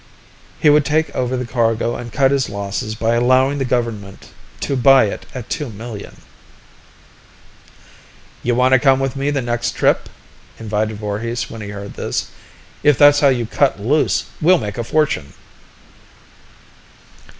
He would take over the cargo and cut his losses by allowing the government to buy it at two million. "You wanna come with me next trip?" invited Voorhis when he heard this. "If that's how you cut loose, we'll make a fortune!"